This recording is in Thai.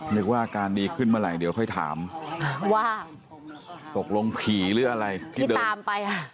นึกว่าอาการดีขึ้นเมื่อไหร่เดี๋ยวค่อยถามว่าตกลงผีหรืออะไรที่เดินตามไปอ่ะ